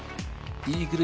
イーグル